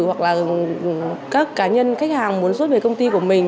hoặc là các cá nhân khách hàng muốn rút về công ty của mình